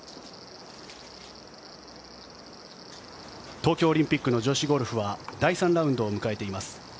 東京オリンピックの女子ゴルフは第３ラウンドを迎えています。